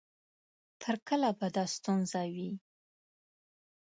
تر کله به دا ستونزه وي؟